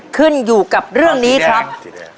ขึ้นอยู่กับเรื่องนี้ครับ